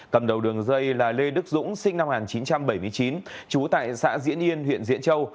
cầm đầu đường dây là lê đức dũng sinh năm một nghìn chín trăm bảy mươi chín trú tại xã diễn yên huyện diễn châu